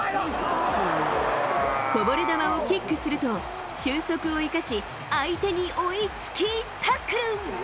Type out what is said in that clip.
こぼれ球をキックすると、俊足を生かし、相手に追いつき、タックル。